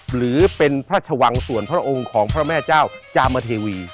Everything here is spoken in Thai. หรือเป็นพระชวังส่วนพระองค์ของพระแม่เจ้าจามเทวี